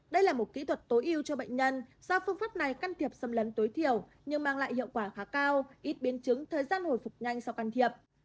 đây là một kỹ thuật tối ưu cho bệnh nhân do phương pháp này can thiệp xâm lấn tối thiểu nhưng mang lại hiệu quả khá cao ít biến chứng thời gian hồi phục nhanh sau can thiệp